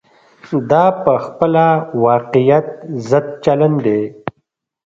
دا په خپله واقعیت ضد چلن دی.